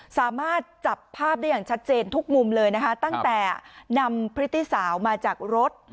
สามารถจับภาพได้อย่างชัดเจนทุกมุมเลยนะคะตั้งแต่นำพฤติสาวมาจากรถ